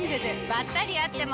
ばったり会っても。